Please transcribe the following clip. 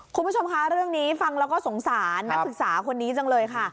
คุณผู้ชมคะเรื่องนี้ฟังแล้วก็สงสารนักศึกษาคนนี้จังเลยค่ะ